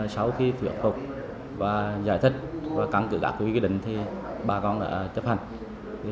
sau khi thuyền phục và giải thích và căng cử các quyết định thì bà con đã chấp hành